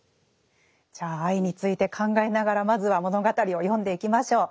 じゃあ愛について考えながらまずは物語を読んでいきましょう。